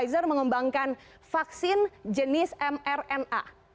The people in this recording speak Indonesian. mereka juga mengembangkan vaksin jenis mrna